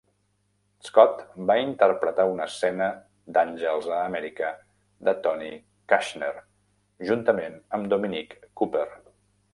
Scott va interpretar una escena d'"Àngels a Amèrica" de Tony Kushner juntament amb Dominic Cooper.